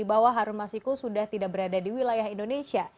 bahwa harun masiku sudah tidak berada di wilayah indonesia